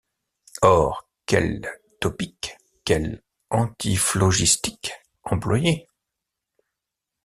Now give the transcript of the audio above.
Or, quels topiques, quels antiphlogistiques employer